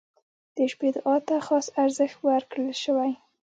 • د شپې دعا ته خاص ارزښت ورکړل شوی.